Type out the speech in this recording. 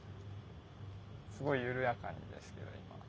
すごい緩やかにですけど今。